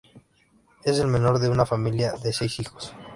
Es el menor de una familia de seis hijos.